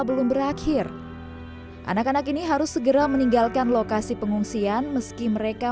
belum berakhir anak anak ini harus segera meninggalkan lokasi pengungsian meski mereka